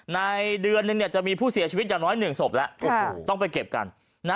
ในเดือนนึงจะมีผู้เสียชีวิตอย่างน้อย๑ศพแล้วต้องไปเก็บกัน